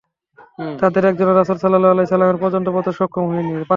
তাদের একজনও রাসূল সাল্লাল্লাহু আলাইহি ওয়াসাল্লাম পর্যন্ত পৌঁছতে সক্ষম হয়নি।